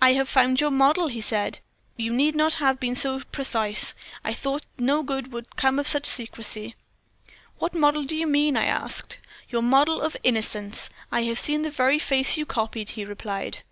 "'I have found your model,' he said. 'You need not have been so precise. I thought no good would come of such secrecy.' "'What model do you mean?' I asked. "'Your model of "Innocence." I have seen the very face you copied,' he replied.